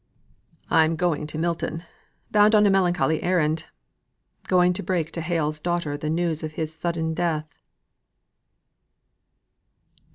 "I'm going to Milton, bound on a melancholy errand. Going to break to Hale's daughter the news of his sudden death!"